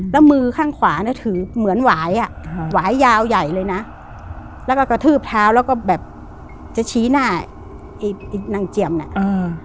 แล้วมือข้างขวาเนี้ยถือเหมือนหวายอ่ะหวายยาวใหญ่เลยนะแล้วก็กระทืบเท้าแล้วก็แบบจะชี้หน้าไอ้นางเจียมเนี้ยอืม